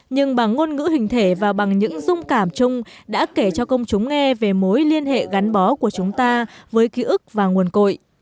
nhưng bằng ngôn ngữ hình thể và bằng những dung cảm chung đã kể cho công chúng nghe về mối liên hệ gắn bó của chúng ta với ký ức và nguồn cội